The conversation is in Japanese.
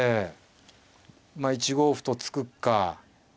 まあ１五歩と突くか。